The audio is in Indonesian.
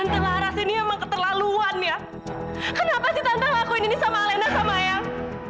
tante laras ini emang keterlaluan ya kenapa sih tante ngakuin ini sama alena sama ayang